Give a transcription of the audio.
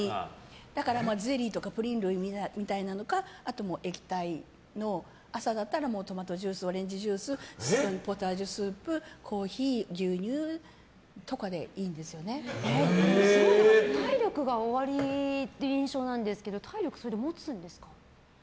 だから、ゼリーとかプリン類みたいなのとかあと、液体の朝だったらトマトジュースオレンジジュースポタージュスープ、コーヒーすごく体力がおありという印象なんですけど体力、それでもつんですか？